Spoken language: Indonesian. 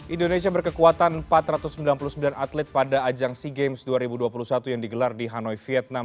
indonesia berkekuatan empat ratus sembilan puluh sembilan atlet pada ajang sea games dua ribu dua puluh satu yang digelar di hanoi vietnam